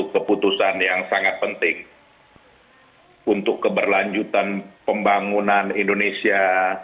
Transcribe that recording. keputusan yang sangat penting untuk keberlanjutan pembangunan indonesia